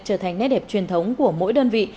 trở thành nét đẹp truyền thống của mỗi đơn vị